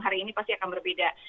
hari ini pasti akan berbeda